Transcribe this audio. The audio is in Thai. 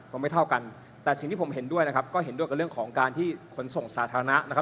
ไม่เท่ากันแต่สิ่งที่ผมเห็นด้วยนะครับก็เห็นด้วยกับเรื่องของการที่ขนส่งสาธารณะนะครับ